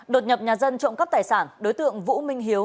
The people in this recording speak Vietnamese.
đột nhập nhà dân trộm cắp tài sản đối tượng vũ minh hiếu